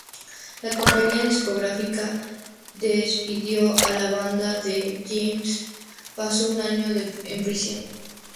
La compañía discográfica despidió a la banda y James pasó un año en prisión.